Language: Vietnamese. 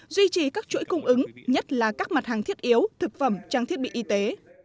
duy trì các chuỗi cung ứng nhất là các mặt hàng thiết yếu thực phẩm trang thiết bị y tế